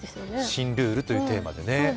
新ルールというテーマでね。